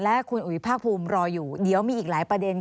และคุณอุ๋ยภาคภูมิรออยู่เดี๋ยวมีอีกหลายประเด็น